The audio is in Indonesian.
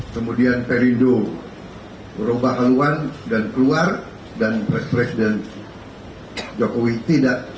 kemudian perindo berubah haluan dan keluar dan presiden jokowi tidak campur tangan sama sekali